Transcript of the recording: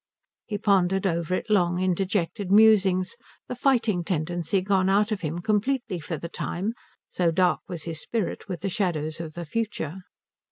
He pondered over it long in dejected musings, the fighting tendency gone out of him completely for the time, so dark was his spirit with the shadows of the future.